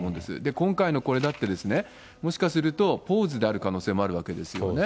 今回のこれだって、もしかするとポーズである可能性もあるわけですよね。